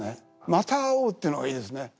「また会おう」っていうのがいいですね。